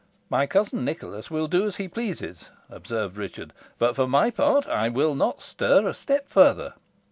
"My cousin Nicholas will do as he pleases," observed Richard; "but, for my part, I will not stir a step further."